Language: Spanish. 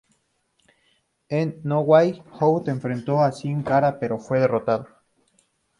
En No Way Out enfrentó a Sin Cara, pero fue derrotado.